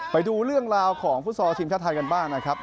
ไปดูเรื่องราวของฟุตซอลทีมชาติไทยกันบ้างนะครับ